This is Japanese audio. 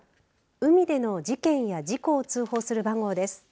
海での事件や事故を通報する番号です。